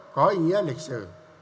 có ý nghĩa lịch sử